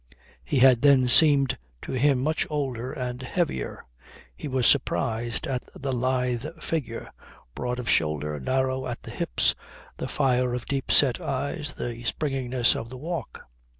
He had then seemed to him much older and heavier. He was surprised at the lithe figure, broad of shoulder, narrow at the hips, the fire of the deep set eyes, the springiness of the walk.